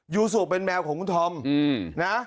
ยูโซเป็นแมวของคุณธอมนะ